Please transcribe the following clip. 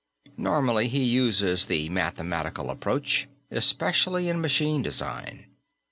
Normally, he uses the mathematical approach, especially in machine design.